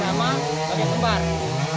sama bagian kembar